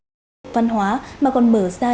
kinh tế văn hóa mà còn mở ra